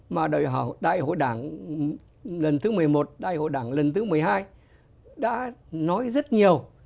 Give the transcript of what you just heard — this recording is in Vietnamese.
mà đòi hỏi đại hội đảng lần thứ một mươi một đại hội đảng lần thứ một mươi hai đã nói rất nhiều